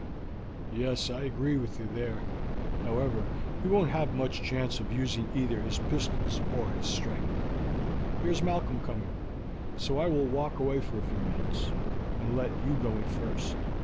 "Yes, I agree with you there. However, he won't have much chance of using either his pistols or his strength. Here is Malcolm coming, so I will walk away for a few minutes, and let you go in first.